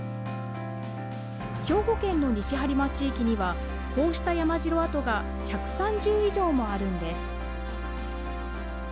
兵庫県の西播磨地域には、こうした山城跡が１３０以上もあるんです。